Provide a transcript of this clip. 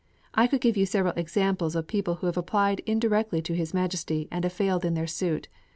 I could give you several examples of people who have applied indirectly to His Majesty and have failed in their suit.